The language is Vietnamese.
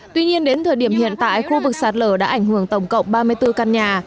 tuy nhiên đến thời điểm hiện tại khu vực sạt lở đã ảnh hưởng tổng cộng ba mươi bốn căn nhà